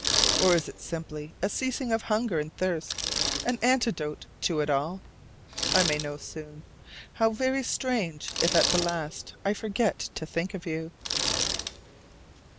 Or is it simply a ceasing of hunger and thirst an antidote to it all? I may know soon. How very strange if at the last I forget to think of you!